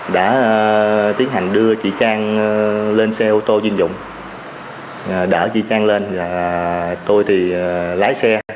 đã tiến hành đưa chị trang lên xe ô tô chuyên dụng đỡ chị trang lên và tôi thì lái xe